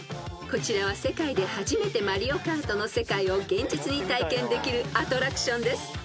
［こちらは世界で初めて『マリオカート』の世界を現実に体験できるアトラクションです］